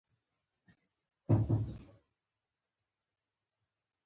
نفت د افغانستان د اقلیمي نظام ښکارندوی ده.